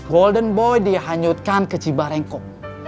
golden boy dihanyutkan ke cibarengkok